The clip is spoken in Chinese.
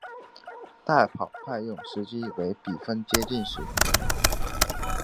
代跑派用时机为比分接近时。